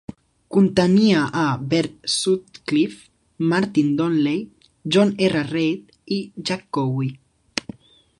Contenia a Bert Sutcliffe, Martin Donnelly, John R. Reid i Jack Cowie.